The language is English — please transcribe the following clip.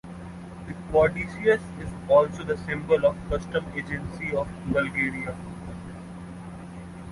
The caduceus is also the symbol of the Customs Agency of Bulgaria.